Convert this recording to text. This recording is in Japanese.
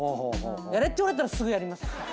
やれと言われたらすぐやります。